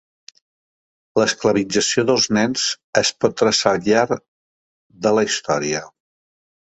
L'esclavització dels nens, es pot traçar al llar de la història.